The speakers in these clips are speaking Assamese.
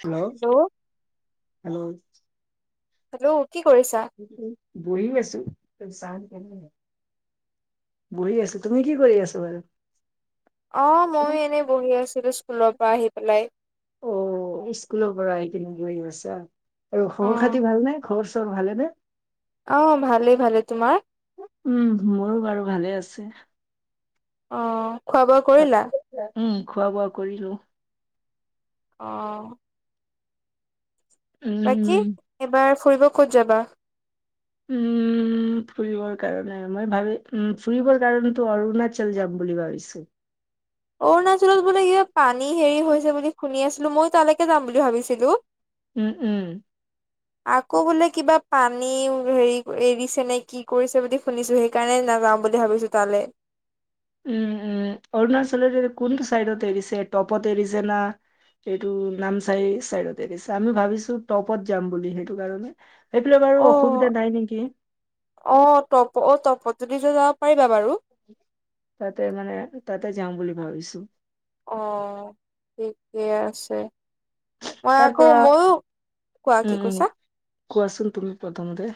হেল্ল'? হেল্ল'? হেল্ল', কি কৰিছা? বহি আছোঁ, চাহ খালে [inaudible] বহি আছোঁ, তুমি কি কৰি আছা বাৰু? অ, ময়ো এনেই বহি আছিলোঁ স্কুলৰ পৰা আহি পেলাই? অ', স্কুলৰ পৰা আহি পিনি বহি আছা? আৰু খবৰ অ', খাতি ভাল নে, ঘৰ ভালেনে? অ', ভালেই-ভালেই। তোমাৰ? উম', মোৰো বাৰু ভালে আছে। অ', খোৱা বোৱা কৰিলা? উম', খোৱা বোৱা কৰিলো। অ'। বাকী, উম এবাৰ ফুৰিব ক'ত যাবা? উম'। উম', ফুৰিবৰ কাৰণে মই ভাবি--উম', ফুৰিবৰ কাৰণতো অৰুণাচল যাম বুলি ভাবিছোঁ। অৰুণাচলত বোলে পানী হেৰি হৈছে বুলি শুনি আছিলোঁ, মইয়ো তালৈকে যাম বুলি ভাবিছিলোঁ। উম', উম'। আকৌ বোলে কিবা পানী হেৰি এৰিছে নে কি কৰিছে বুলি শুনিছোঁ সেইকাৰণে নাযাওঁ বুলি ভাবিছো তালে। উম উম অৰুণাচলৰ এ কোনটো চাইডত এৰিছে টপত এৰিছে না এইটো নাম চাই চাইডতে দিছে আমি ভাবিছো টপত যাম বুলি সেইটো কাৰণে। সেইফালে বাৰু অ অসুবিধা নাই নেকি অ তপত তপত যদি যাব পাৰিবা বাৰু তাতে মানে, তাতে যাম বুলি ভাবিছোঁ। অ', ঠিকে আছে। মই তাৰ আকৌ পৰা মইও, কোৱা উম কি উম কৈছা? কোৱাচোন তুমি প্ৰথমতে।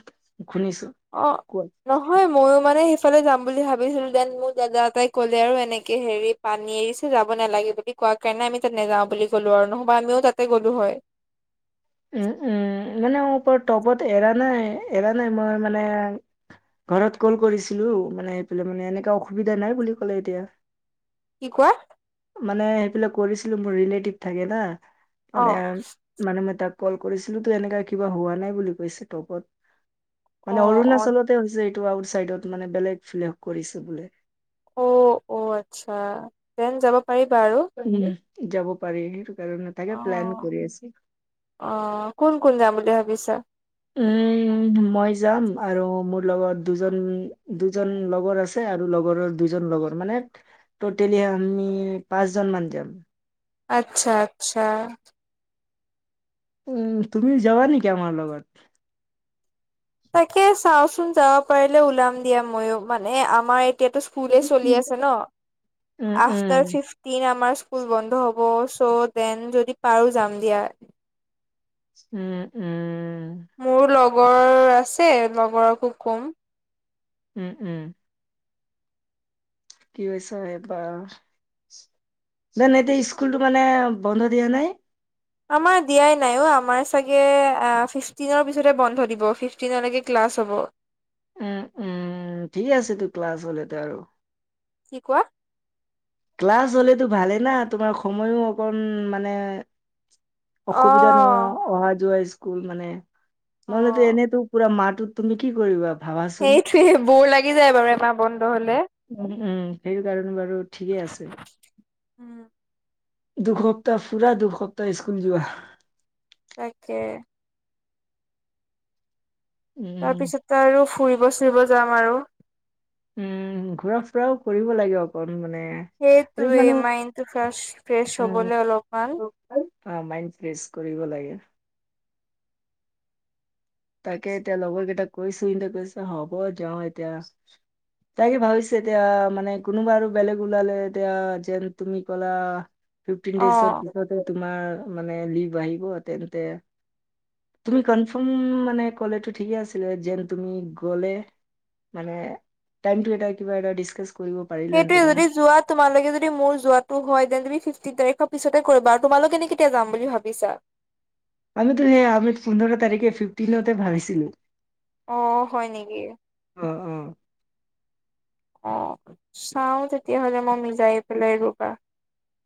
শুনিছো অ', কোৱা নহয় ময়ো মানে সেইফালে যাম বুলি ভাবিছিলোঁ, দেন মোৰ দাদা এটাই ক'লে আৰু এনেকে হেৰি পানী এৰিছে যাব নালাগে কোৱা কাৰণে আমি তাত নেযাওঁ বুলি ক'লো আৰু নহবা আমিও তাতে গ'লো হয়। উম উম মানে টপত এৰা নাই, এৰা নাই মই মানে ঘৰত কল কৰিছিলোঁ মানে সেফালে মানে এনেকা অসুবিধা নাই বুলি কলে এতিয়া। কি কোৱা? মানে সেইবিলাক কৰিছিলোঁ, মোৰ ৰিলেটিভ থাকে না? অ', মানে-মানে মই তাত কল কৰিছিলোঁ তো এনেকা কিবা হোৱা নাই বুলি কৈছে টপত। অ', অ', অৰুণাচলতে হৈছে আউট চাইডত মানে বেলেগ ফ্লে কৰিছে বোলে। অ', অ', আচ্ছা। যেন যাব পাৰিবা আৰু? উম, যাব পাৰি সেইটো কাৰণে অ', থাকে প্লান কৰি আছোঁ। অ', কোন কোন যাম বুলি ভাবিছা। উম মই যাম আৰু মোৰ লগত দুজন দুজন লগৰ আছে আৰু লগৰৰ দু লগৰ মানে টটেলি আমি পাঁচজন মান যাম। আচ্ছা আচ্ছা উম তুমি যাবা নেকি আমাৰ লগত তাকে চাওঁচোন যাব পাৰিলে ওলাম দিয়া ময়ো মানে আমাৰ এতিটো স্কুল চলি আছে ন উম উম আফাটাৰ ফিফ্টিন স্কুল বন্ধ হ'ব চ' দেন যদি পাৰো যাম দিয়া। উম উম। মোৰ লগৰ আছে লগৰকো কম উম উম। কি কৰিছা এ বা নাই নাই এ স্কুলটো মানে বন্ধ দিয়া নাই? আমাৰ দিয়াই নাই অ আমাৰ চাগে ফিফটিনৰ পিছত বন্ধ দিব ফিফটিনলেকে ক্লাছ- ক্লাছ হব। উম উম ঠিক আছে তো ক্লাছ হলেতে আৰু কি কোৱা? ক্লাছ হ'লেতো ভালেই না তোমাৰ সময়ো অকণ মানে অসুবিধা নহ অ', অহা যোৱা স্কুল মানে অ'। নহলেতো এনেতো পুৰা মাত তুমি কি কৰিবা? ভাবাচোন সেইটোয়ে বৰ লাগি যায় বাৰু এমাহ বন্ধ হলে উম উম সেইটো কাৰণে বাৰু ঠিকেই আছে। উম, দুসপ্তাহ পুৰা দুসপ্তাহ স্কুল যোৱা তাকে উম তাৰপিছতে আৰু ফুৰিব চুৰিব যাম আৰু উম ঘূৰা ফুৰাও কৰিব লাগে অকণ মানে আৰু ইমানো সেইটোৱেই মাইণ্ডটো ফ্ৰে ফ্ৰেছ হবলৈ অলপমান অ মাইণ্ড ফ্ৰেচ কৰিব লাগে। তাকে এতিয়া লগৰ কেইটাক কৈছো এ কৈছ হ'ব যাও এতিয়া, তাকে ভাবিছো এতিয়া মানে কোনোবা আৰু বেলেগ ওলালে এতিয়া যেন তুমি কলা, ফিফটিন ডেইছ অৰ অ'। পিছতে এইটো, তোমাৰ মানে লিভ আহিব তেন্তে তুমি কমফম মানে ক'লেটো ঠিকে আছিলে যেন তুমি গ'লে মানে টাইম টো এতিয়া কিবা এটা দিছকাছ সেইটোয়ে যদি যোৱা তোমালোকে যদি মোৰ যোৱাটো হয় দেন তুমি তিনি তাৰিখৰ পিছতে কৰিবা আৰু তোমালোক এনে কেতিয়া যাম বুলি ভাবিছা? আমিতো সে আমিত পোন্ধৰ তাৰিখে ফিফটিনতে ভাবিছিলো। অ হয় নেকি? উ অ অ চাও তেতিয়াহলে মই মিজাই পেলাই ৰবা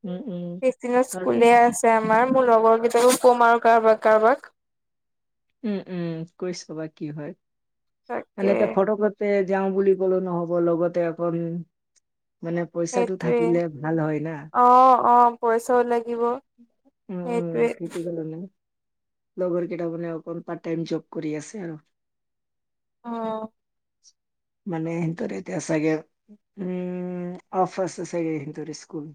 উম উম পিছদিনত আৰু- স্কুলে আছে আমাৰ মোৰ লগৰ কেইটাকো কম আৰু কাৰবাক কাৰবাক উম উম কৈ ছাবা কি হয় মানে তাকে এতিয়া ফটগটে যাওঁ বুলি ক'লেও নহ'ব লগতে একণ মানে পইচাটো সেইটোৱে থাকিলে ভাল হয় না। অ' অ' পইচাও লাগিব উম উম সেইটোৱে সিটোকল নাই লগৰ কেইটামানে অকণ পাৰ্ট টাইম জব কৰি আছে আৰু অ মানে এন্তৰে এতিয়া চাগে উম অফ আছে চাগে সিহঁতৰ স্কুল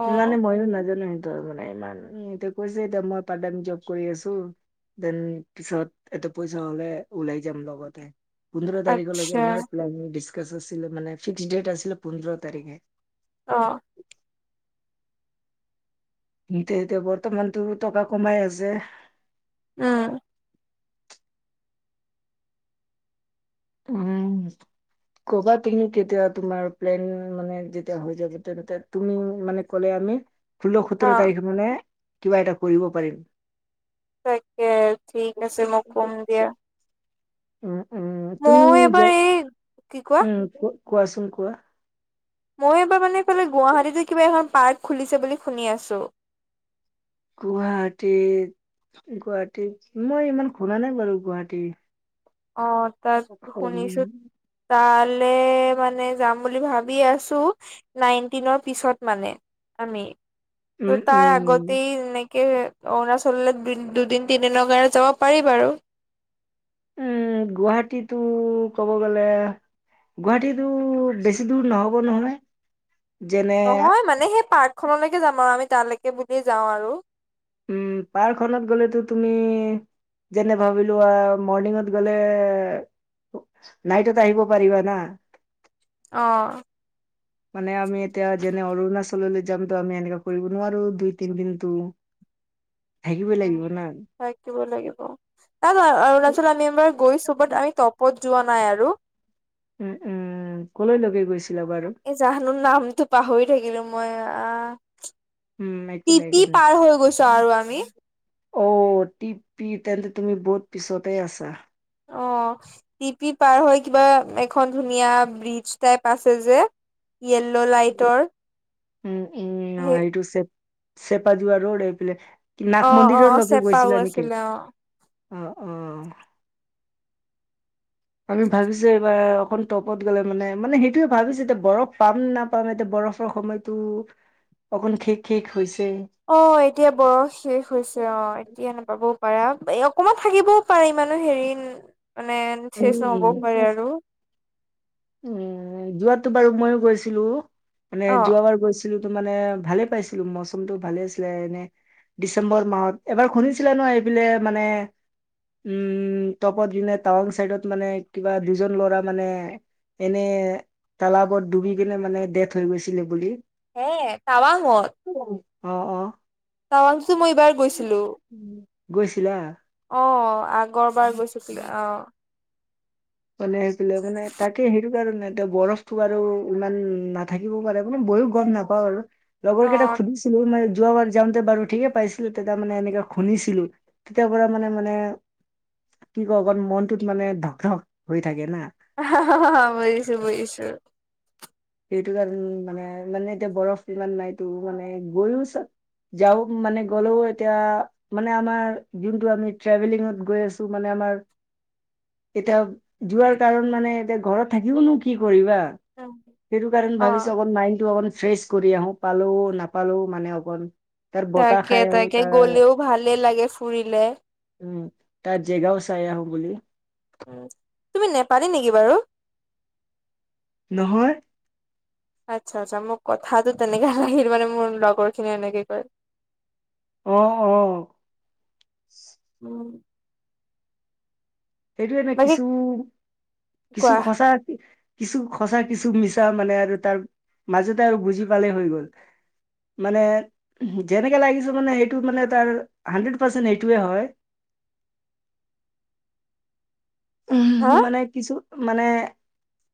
অ' মানে ইমান ই এইটো কৈছে এতিয়া মই পাৰ্ট টাইম জব কৰি আছো। দেন পিছত এটা পইচা হলে ওলাই লগতে পোন্ধৰ তাৰিখলৈকে আচ্ছা নাই প্লানিং আছিলে মানে ফিক্স ডেট আছিলে পোন্ধৰ তাৰিখে। অ এতিয়া এতিয়া বৰ্তমানতো টকা কমাই আছে। উম উম কবা তুমি কেতিয়া তোমাৰ প্লেন মানে যেতিয়া‌ হৈ যাব তেতিয়া তুমি মানে কলে আমি, ষোল্ল সোতৰ অ' তাৰিখ মানে কিবা এটা কৰিব পাৰিম। তাকে ঠিক আছে মই কম দিয়া। উ উম তুমি ময়ো যে এবাৰ এই কি কোৱা? উম কোৱাচোন কোৱা? মই এবাৰ মানে এইফালে গুৱাহাটীতে কিবা এখন পাৰ্ক খুলিছে বুলি শুনি আছোঁ। গুৱাহাটী গুৱাহাটী মই ইমান শুনা নাই বাৰু গুৱাহাটী অ তাত উম শুনিছো তাল মানে যাম বুলি ভাবি আছো নাইনটিনৰ পিছত মানে আমি উম ত তাৰ উম আগতেই ন অৰুণাচল দু দুদিন তিনি দিন কাৰনে যাব পাৰি বাৰু। উম গুৱাহাটীতো ক'ব গলে, গুৱাহাটীতো বেছি দূৰ নহব নহয়। যেনে নহয় মানে সেই পাৰ্কখনলৈকে যাম আৰু আমি তালৈকে বুলি যাওঁ আৰু উম পাৰ্ক খনত গ'লেতো তুমি- যেনে ভাবিলো আহ মৰ্ণিঙত গ'লে নাইটত আহিব পাৰিবা না আহ মানে আমি এতিয়া যেনে অৰুণাচললৈ যামতো আমি এনেকা কৰিব নোৱাৰো দুই তিন দিনতটো। থাকিব লাগিব ন? থাকিব লাগিব তাক অৰুণাচল আমি এবাৰ গৈছো বাত আমি তপত যোৱা নাই আৰু উম উম কলৈকে গৈছে। এ জাহানুৰ নামটো পাহৰি থাকিলো মই আহ উম, একো নাই একো টিপি নাই। পাৰ হৈ গৈছো আৰু আমি। অ টিপি তেন্তে তুমি বহুত পিছতে আছা। অ। টিপি পাৰ হৈ কিবা এখন ধুনীয়া ব্ৰিজ টাইপ আছে যে। য়েল্ল' লাইটৰ হে চেপা যোৱা ৰ'ড এইফালে নাগ অ অ অ মন্দিৰৰলৈকে চেপাও গৈছিলা নেকি আছিলে অ অঁ অঁ আমি ভাবিছো এইবাৰ এখন টপত গ'লে মানে মানে সেইটোয়ে ভাবিছো এতিয়া বৰফ পাম নে নাপাম এতিয়া। বৰফৰ সময়তো অকণ খেক খেক হৈছে অ এতিয়া বৰফ শেষ হৈছে অ এতিয়া নাপাবও পাৰা এই অকমান থাকিবও পাৰে মানে হেৰি মানে চেছ নহও পাৰে উম আৰু যোৱাতটো বাৰু ময়ো গৈছিলো মানে অ যোৱা বাৰ গৈছিলো। ছিলো তো মানে ভালে পাইছিলো বস্তুটো ভালে আছিলে এনে ডিচেম্বৰ মাহত এবাৰ শুনিছিলে ন এইবিলে মানে উম টপত দিনে টাৱাং চাইডত মানে কিবা দুজন ল'ৰা মানে এনে তালাবত ডুবি কিনে মানে ডেথ হৈ গৈছিলে বুলি হে টাৱাঙত অ অ টাৱাংটোতো মই এইবাৰ গৈছিলো। গৈছিলা? অ আগৰ বাৰ গৈছো তে অ। মানে আহছিলে মানে তাকে হেৰি সেইকাৰণে এতিয়া বৰফটো আৰু ইমান নাথাকিবও পাৰে মানে ময়ো গম নাপাওঁ আৰু। লগৰ অ কেইটা সুধিছিলো মানে যোৱাবাৰ যাওঁতে বাৰু ঠিকে পাইছিল, তেতিয়া মানে এনেকে শুনিছিলো তেতিয়াৰ পৰা মানে মানে কি ক অকমান মনটোত মানে ধক ধক হৈ থাকে না। হা [unintelligible] বুজিছো বুজিছো সেইটো কাৰণ মানে মানে এতিয়া বৰফ ইমান নাইতো মানে গৈও চব যাও মানে গ'লেও এতিয়া মানে আমাৰ যোনটো আমি ট্ৰেভেলিঙত গৈ আছো মানে আমাৰ এতিয়া যোৱাৰ কাৰণ মানে এতিয়া ঘৰত থাকিবওনো কি কৰিবা? সেইটো কাৰণে অ ভাবিছো অকন মাইণ্ডটো অকন ফ্ৰেছ কৰি আহো পালো নাপালো মানে অকণ। তাৰ বতাহ তাকে খায় তাকে তাৰ গ'লেও ভালে লাগে ফুৰিলে। উম তাত জেগাও চাই আহোঁ বুলি। তুমি নেপালি নেকি বাৰু? নহয়। আচ্ছা আচ্ছা মোৰ কথাতটো তেনেকে লাগিল মানে মোৰ লগৰ খিনি এনেকে কয়। অ অ। উম। সেইটোয়ে নে বাকী কিছু কিছু কোৱা খচা কিছু সঁচা কিছু মিছা মানে আৰু তাৰ মাজতে আৰু বুজি পালেই হৈ গ'ল। মানে যেনেকে লাগিছে মানে সেইটো মানে তাৰ হাড্ৰেড পাৰ্চেন্ট সেইটোৱে হয়। [unintelligible] উ হা মানে কিছু মানে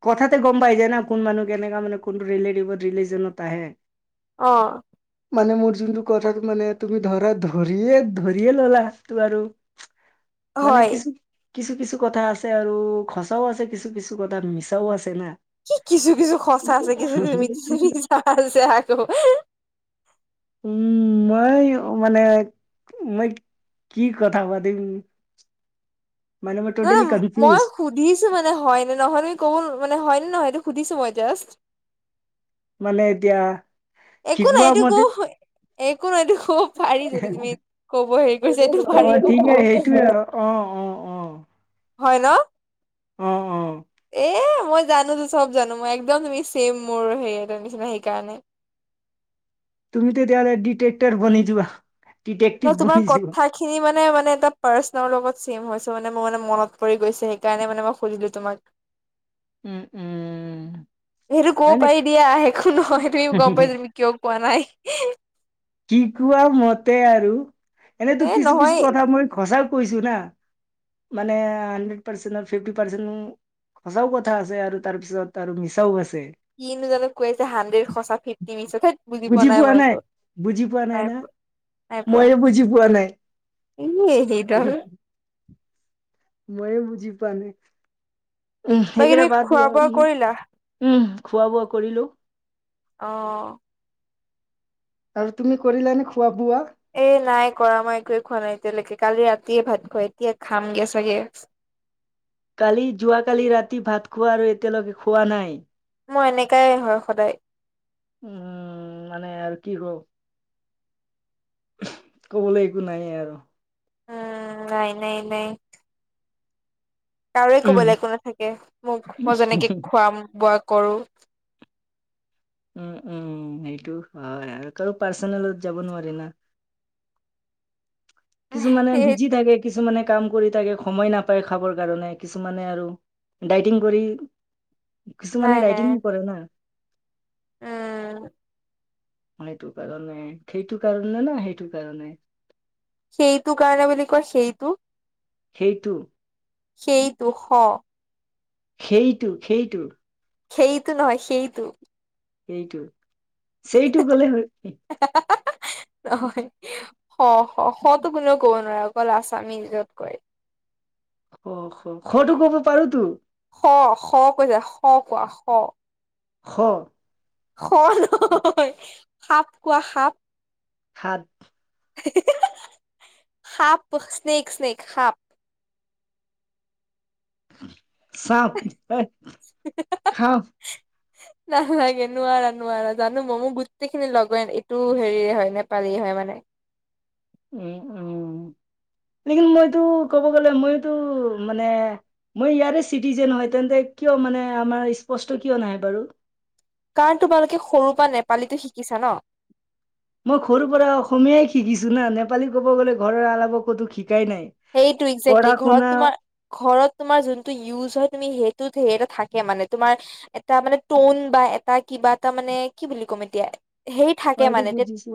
কথাতে গম পাই যোয় না কোন মানুহ কেনেকা মানে কোনটো ৰিলেটিভত ৰিলিজনত আহে। অ। মানে মোৰ যোনটো কথাত মানে তুমি ধৰা ধৰিয়ে ধৰিয়ে ললা টো আৰু। মানে হয় কিছু কিছু কিছু কথা আছে আৰু সচাও আছে কিছু কিছু কথাত মিছাও আছে না। কি কিছু কিছু সঁচা আছে কিছু কিছু মি মিচা আছে আকৌ। উম মই মানে মই। কি কথা পাতিম। [inaudible] মানে মই নহ টটেলি নহ মই কনফিউজ সুধিছো মানে হয়নে নহয় কব মানে হয় নে নহয় এইটো। সুধিছোঁ মই জাষ্ট। নে এতিয়া একো নাই শিকোৱা এটো ক মতে হ। একো নহয় এইটো ক'ব পাৰি যদি তুমি কব হেৰি কৰিছা এইটো পাৰি অ কব। ঠিকে সেইটোৱে আৰু অ অ অ। হয় ন? অ অ। এ মই জানোতো চব জানো মই এক একদম তুমি ছেম মোৰ সে এটা নিচিনা সেইকাৰণে। তুমি তেতিয়াহলে ডিটেক্টৰ বনি যোৱা। ন ডিটেক্টিভ বনি তোমাৰ যোৱা কথা খিনি মানে মানে এটা পাৰ্চনৰ লগত চেম হৈছে মানে মোৰ মানে মনত পৰি গৈছে, সেইকাৰণে মানে মই সুধিলো তোমাক। উম উম। সেইটো ক'ব হয় পাৰি দিয়া একো নহয় তুমি নেকি গম পাইছা তুমি কিয় কোৱা নাই। কি কোৱা মতে আৰু এনেতো এ কিছু কিছু নহয় কথা মই সচা কৈছো না মানে হড্ৰেত পাৰ্চেণ্টৰ ফিফতি পাৰ্চেন্ট উম। সঁচাও কথা আছে আৰু তাৰ পিছত আৰু মিছাও আছে। কিনো জানো কৈছে হাণ্ড্ৰেড সঁচা ফিফটি মিছা ঠেত বুজি পোৱা নাই মই একো। বুজি পোৱা নাই না নাই পোৱা ময়ো বুজি পোৱা নাই। ই এ সেইদাল। মই এ বুজি পোৱা নাই। উমহ বাকী সেইকেইটা তুমি বাদ খোৱা দিয়া বোৱা কৰিলা? উমহ খোৱা বোৱা কৰিলো। আহ। আৰু তুমি কৰিলা নে খোৱা বোৱা। এ নাই কৰা মই একোৱে খোৱা নাই এতিয়ালৈকে কালি ৰাতিয়ে ভাত খোৱা এতিয়া খামগে চাগে। [inaudible] কালি যোৱাকালি ৰাতি ভাত খোৱা আৰু এতিয়ালৈকে খোৱা নাই। মই এনেকাই হয় সদায়। উম মানে আৰু কি কও। কবলৈ একো নাই আৰু। উম নাই নাই নাই। কাৰোৱেই কবলৈ একো নাথাকে মোক মই উম যেনেকে খুৱাম বোৱা কৰো। উম উম সেইটো হয় আৰু কাৰো পাৰ্চনেলত যাব নোৱাৰি না। [inaudible] কিছুমানে সেই বিজি থাকে। কিছুমানে কাম কৰি থাকে সময় নাপায় খাবৰ কাৰণে কিছুমানে আৰু। ডাইটিং কৰি নাই কিছুমানে নাই ডাইটিং কৰে না। উম। মানে এইটো কাৰণে খেইটো কাৰণে না সেইটো কাৰণে। সেইটো কাৰণে বুলি কয় সেইটো। খেইটো। সেই টু শ। খেইটো খেইটো। খেইতো নহয় সেইটো। সেইটো, ‌চেইটো ক'লে হয়। [unintelligible] স স, স টো কোনেও কব নোৱাৰে অকল আছামিজত কয়। খ খ, খটো কব পাৰো তু। স, খ কৈছা, স কোৱা স। খ। খ নহয়, সাপ কোৱা সাপ। সাদ। সাপ স্নেক স্নেক সাপ। চাপ এ খাওঁ। নালাগে নোৱাৰা নোৱাৰা জানো মই মোৰ গোটেইখিনি লগৰে এনে এইটো হেৰি হয় নেপালী। হয় মানে। উম উম, লেকিন মইতো ক'ব গ'লে মইতো মানে- মই ইয়াৰে চিটিজেন হয় তেন্তে কিয় মানে আমাৰ স্পষ্ট কিয় নাহে বাৰু? কাৰণ তোমালোকে সৰুৰ পৰা নেপালীতে শিকিছা ন। মই সৰু পৰা অসমীয়াই শিকিছো না নেপালী ক'ব গ'লে ঘৰৰ আলাবা ক'তো শিক- সেইটো একজেক্টলি ঘৰত তোমাৰ ঘৰত তোমাৰ যোনটো ইউজ হয় তুমি সেইটোত হেৰি এটা থাকে মানে, তোমাৰ এটা টোন বা এটা কি- কিবা এটা মানে কি বুলি ক'ম এতিয়া সেই মই থাকে এইটো মানে টেট বুজিছো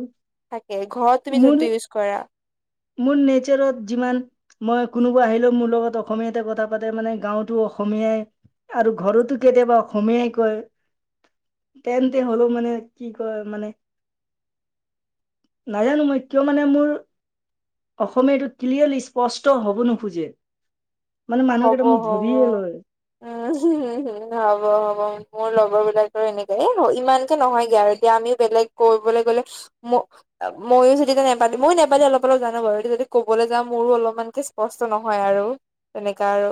থাকে ঘৰত তুমি মোৰ যোনটো ইউজ কৰা। মোৰ নেচাৰত যিমান মই কোনোবা আহিলেও মোৰ লগত অসমীয়াতে কথা পাতে মানে গাঁওতো অসমীয়াই আৰু ঘৰতো কেতিয়াবা অসমীয়াই কয়। তেন্তে হ'লেও মানে কি কয় মানে [inaudible] নাজানো মই কিয় মানে মোৰ অসমীয়া এইটো ক্লিয়াৰলি স্পষ্ট হ'ব নোখোজে। মানে হব মানুহকেইটা মোক হ'ব, ধৰিয়ে লয় উম হব হ'ব। মোৰ লগৰ বিলাকৰো এনেকুৱাই, এই ইমানকে নহয়গে আৰু এতিয়া আমিও বেলেগ কৰিবলৈ গ'লে মো ময়ো যদি এতিয়া নেপালি ময়ো নেপালি অলপ অলপ জানো বাৰু যদি ক'বলৈ যাওঁ মোৰো অলপমানকে স্পষ্ট নহয় আৰ [unintelligible]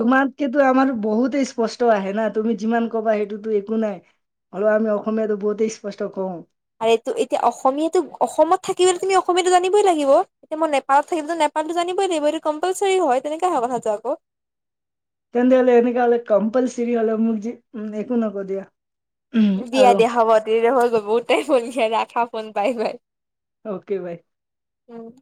তোমাতকেটো আমাৰ বহুতেই স্পষ্ট আহে না তুমি যিমান ক'বা সেইটোতো একো নাই হলেও আমি অসমীয়াতো বহুতেই স্পষ্ট কওঁ। আৰু এইটো এতিয়া অসমীয়াটো অসমত থাকিবলৈ তুমি অসমীয়াটো জানিবই লাগিব ন', এতিয়া মই নেপালত থাকিম তো নেপ পালীটো জানিবই লাগিব এইটো কম্পালচাৰি হয়, তেনেকা হয় কথাটো আকৌ। তেন্তে হলে এনেকা হলে কম্পালচৰি হলে মোক যি একো নকও দিয়া। উম, দিয়া আৰু দিয়া হ'ব তেতিয়া হৈ গল বহুত টাইম হৈ গলগে ৰাখা phone bye bye. Okay bye. উম।